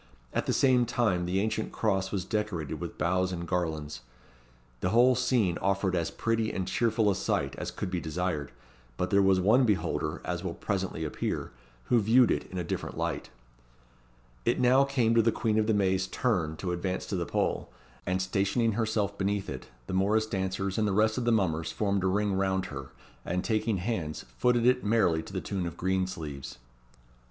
At the same time, the ancient Cross was decorated with boughs and garlands. The whole scene offered as pretty and cheerful a sight as could be desired; but there was one beholder, as will presently appear, who viewed it in a different light. It now came to the Queen of the May's turn to advance to the pole, and stationing herself beneath it, the morrice dancers and the rest of the mummers formed a ring round her, and, taking hands, footed it merrily to the tune of "Green Sleeves."